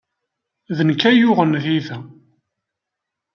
D nekk ay yuɣen tiyita.